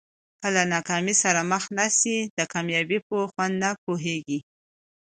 که له ناکامۍ سره مخ نه سې د کامیابۍ په خوند نه پوهېږې.